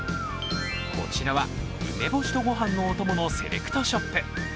こちらは梅干しと御飯のおとものセレクトショップ。